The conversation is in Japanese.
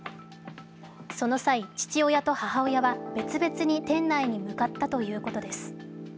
その際、父親と母親は別々に店内に向かったということです。